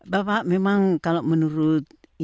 bapak memang kalau menurut